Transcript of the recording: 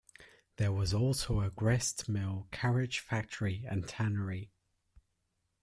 There was also a gristmill, carriage factory and tannery.